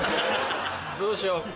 どうしよう。